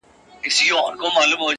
• زموږ یې خټه ده اغږلې له تنوره ,